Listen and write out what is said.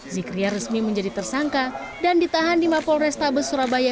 zikriya resmi menjadi tersangka dan ditahan di mapolrestabes surabaya